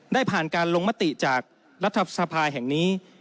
ได้ผ่านการลงมติจากรัฐสภาแห่งนี้